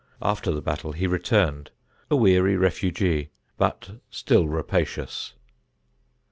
After the battle he returned, a weary refugee, but still rapacious.